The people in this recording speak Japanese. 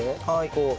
こう。